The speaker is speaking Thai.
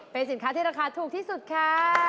เป็นสินค้าที่ราคาถูกที่สุดค่ะ